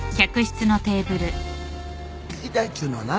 聞きたいっちゅうのはな